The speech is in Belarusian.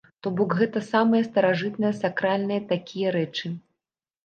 То бок гэта самыя старажытныя сакральныя такія рэчы.